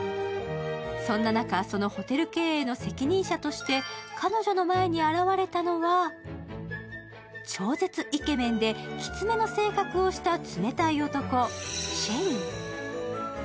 そんな中、そのホテル経営の責任者として彼女の前に現れたのは、超絶イケメンできつめの性格をした冷たい男、シェイン。